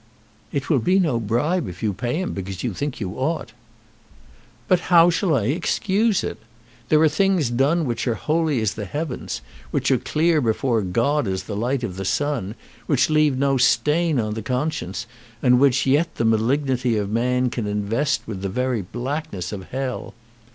"It will be no bribe if you pay him because you think you ought." "But how shall I excuse it? There are things done which are holy as the heavens, which are clear before God as the light of the sun, which leave no stain on the conscience, and which yet the malignity of man can invest with the very blackness of hell!